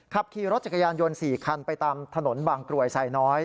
ขับขี่รถจักรยานยนต์๔คันไปตามถนนบางกรวยไซน้อย